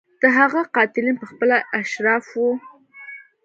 د هغه قاتلین په خپله اشراف وو.